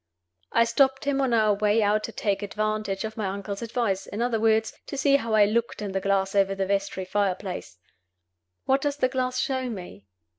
I stopped him on our way out to take advantage of my uncle's advice; in other words, to see how I looked in the glass over the vestry fireplace. What does the glass show me?